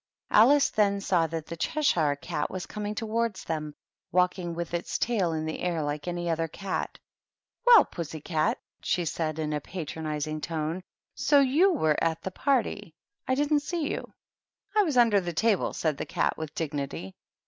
Alice then saw that the Cheshire Cat was coming towards them, walking with its tail in the air like any other cat. "Well, pussy cat," she said, in a patronizing tone, " so you were at the party. I didn't see you." "I was under the table," said the Cat, with dignity.